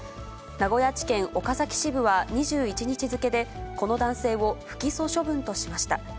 名古屋地検岡崎支部は２１日付で、この男性を不起訴処分としました。